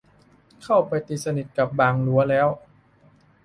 เข้าไปตีสนิทกับบ่างลั่วแล้ว